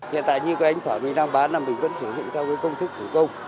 hiện tại như các anh phở mình đang bán là mình vẫn sử dụng theo công thức thủ công